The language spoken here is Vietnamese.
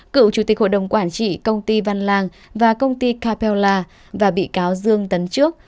cựu chủ tịch hội đồng quản trị công ty văn lang và công ty capella và bị cáo dương tấn trước